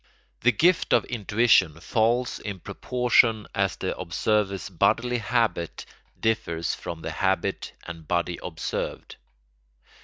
The gift of intuition fails in proportion as the observer's bodily habit differs from the habit and body observed.